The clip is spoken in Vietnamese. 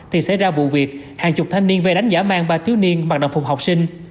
thì xảy ra vụ việc hàng chục thanh niên v đánh giả mang ba thiếu niên mặc đồng phục học sinh